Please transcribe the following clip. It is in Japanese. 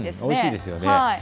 おいしいですよね。